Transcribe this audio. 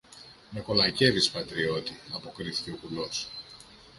Με κολακεύεις, πατριώτη, αποκρίθηκε ο κουλός